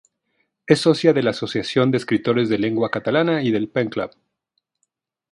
Es socia de la Asociación de Escritores en Lengua Catalana y del Pen Club.